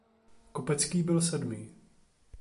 Kopecký byl sedmý.